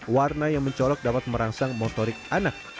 warna yang mencolok dapat merangsang motorik anak